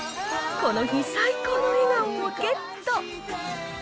この日、最高の笑顔をゲット。